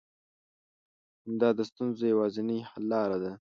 همدا د ستونزو يوازنۍ حل لاره ده.